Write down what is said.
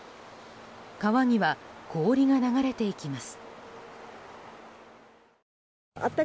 川には氷が流れていきます。